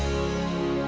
awas juga ya